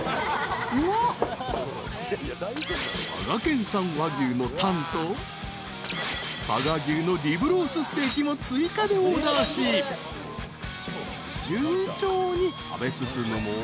［佐賀県産和牛のタンと佐賀牛のリブロースステーキも追加でオーダーし順調に食べ進むも］